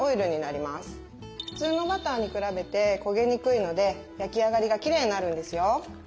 普通のバターに比べて焦げにくいので焼き上がりがきれいになるんですよ。